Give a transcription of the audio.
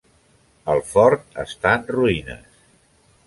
El fort està en ruïnes.